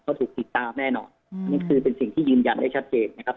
ก็ถูกติดตามแน่นอนนี่คือเป็นสิ่งที่ยืนยันได้ชัดเจนนะครับ